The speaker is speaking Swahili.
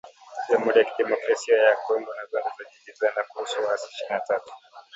Jamhuri ya Kidemokrasia ya Kongo na Rwanda zajibizana kuhusu waasi ishirini na tatu